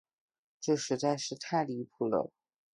这实在是太离谱了。